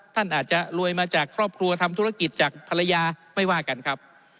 ท่านอาจจะรวยมาจากครอบครัวทำธุรกิจจากภรรยาไม่ว่ากันครับ